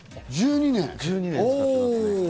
１２年使ってます。